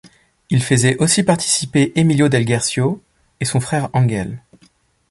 Il faisait aussi participer Emilio del Guercio et son frère Angel.